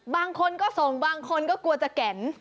บางคนก็ส่งบางคนก็กลัวจะแก่น